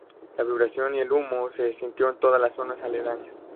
La vibración y el humo se sintió en todas las zonas aledañas.